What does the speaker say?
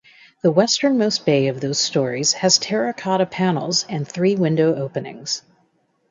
The westernmost bay of those stories has terracotta panels and three window openings.